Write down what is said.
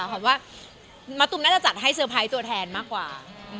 ขวัญว่ามะตูมน่าจะจัดให้เตอร์ไพรส์ตัวแทนมากกว่า